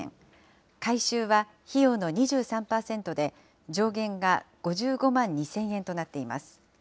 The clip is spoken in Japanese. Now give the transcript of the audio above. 改修は費用の２３％で、上限が５５万円２０００円となっています。